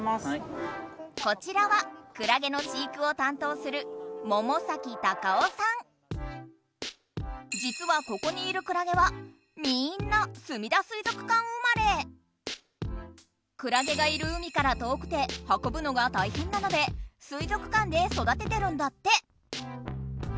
こちらはクラゲの飼育を担当するじつはここにいるクラゲはみんなクラゲがいる海から遠くてはこぶのが大変なので水族館でそだててるんだって。